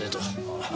ああ。